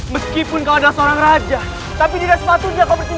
meskipun kau adalah seorang raja tapi ini tidak sebat covid sembilan belas dari kita di dunia